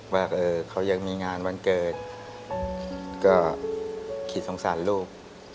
ว่าเขายังมีงานวันเกิดก็คิดสงสารลูก